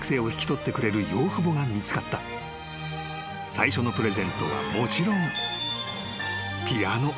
［最初のプレゼントはもちろん］